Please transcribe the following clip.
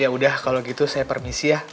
ya udah kalau gitu saya permisi ya